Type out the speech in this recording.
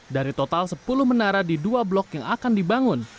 dari total sepuluh menara di dua blok yang akan dibangun